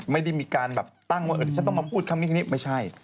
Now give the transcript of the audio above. ไม่ได้มีการแบบตั้งว่าฉันต้องมาพูดคำนี้คำนี้ไม่ใช่